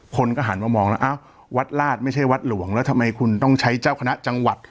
คนก็หันมามองแล้วอ้าววัดราชไม่ใช่วัดหลวงแล้วทำไมคุณต้องใช้เจ้าคณะจังหวัด